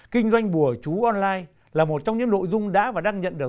kinh doanh bùa chú online là một trong những nội dung đã và đang nhận được